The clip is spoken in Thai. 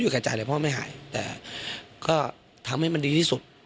กระจายเลยพ่อไม่หายแต่ก็ทำให้มันดีที่สุด